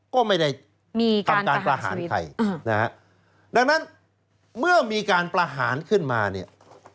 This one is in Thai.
ก็ไม่ได้มีการประหารใครนะฮะดังนั้นเมื่อมีการประหารขึ้นมาเนี่ย